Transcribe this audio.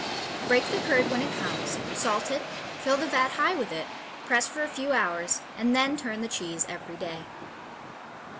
Break the curd when it comes, salt it, fill the vat high with it, press for a few hours, and then turn the cheese every day.